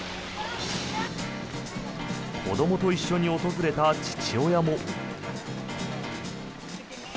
子どもと一緒に訪れた父親も。